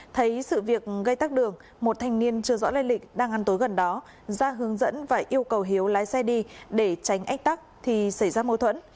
thấy sự việc gây tắc đường một thanh niên chưa rõ lây lịch đang ăn tối gần đó ra hướng dẫn và yêu cầu hiếu lái xe đi để tránh ách tắc thì xảy ra mâu thuẫn